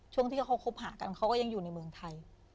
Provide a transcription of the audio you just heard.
ช่วงที่เขาคบหากันเขาก็ยังอยู่ในเมืองไทย